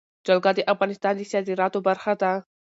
جلګه د افغانستان د صادراتو برخه ده.